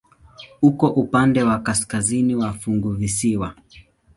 Uko upande wa kaskazini wa funguvisiwa.